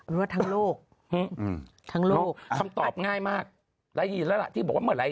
ว่าทั้งโลกทั้งโลกคำตอบง่ายมากได้ยินแล้วล่ะที่บอกว่าเมื่อไห